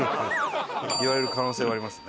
言われる可能性はありますね。